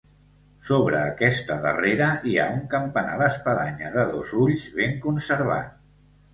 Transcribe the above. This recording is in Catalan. Sobre aquesta darrera hi ha un campanar d'espadanya de dos ulls ben conservat.